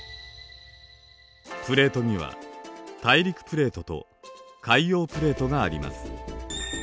プレートには大陸プレートと海洋プレートがあります。